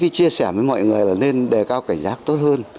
chia sẻ với mọi người là nên đề cao cảnh giác tốt hơn